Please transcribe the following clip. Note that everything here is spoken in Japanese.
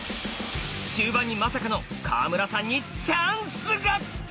終盤にまさかの川村さんにチャンスが！